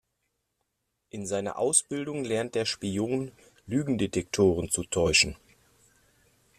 In seiner Ausbildung lernt der Spion, Lügendetektoren zu täuschen.